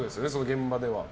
現場では。